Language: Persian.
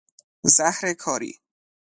زهر کاری